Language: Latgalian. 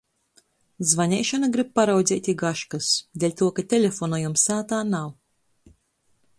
Zvaneišonu grib paraudzeit i gaškys, deļtuo ka telefona jom sātā nav.